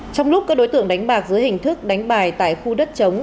trong lúc các đối tượng đánh bạc dưới hình thức đánh bài tại khu đất chống